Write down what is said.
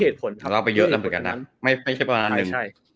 ถ้าเล่าไปเยอะแล้วเหมือนกันนะไม่ใช่ประมาณหนึ่ง